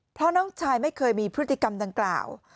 เพราะน้องชายไม่เคยมีพฤติกรรมดังกล่าว